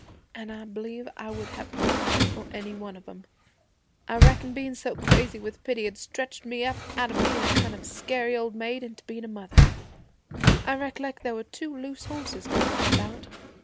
'An' I b'lieve I would have died for any one of 'em. I reckon bein' so crazy with pity had stretched me up out of bein' a scary old maid into bein' a mother. 'I recollect there was two loose horses gallopin' about.